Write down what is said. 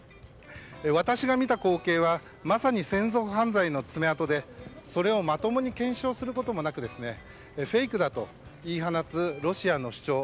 私が見た光景はまさに戦争犯罪の爪痕でそれをまともに検証することもなくフェイクだと言い放つロシアの主張